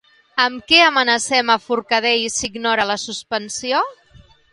Amb què amenacen a Forcadell si ignora la suspensió?